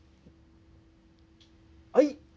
はい。